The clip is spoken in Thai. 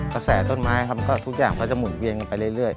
กระแสต้นไม้ครับก็ทุกอย่างก็จะหุ่นเวียนกันไปเรื่อย